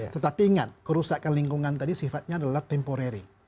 tetapi ingat kerusakan lingkungan tadi sifatnya adalah temporary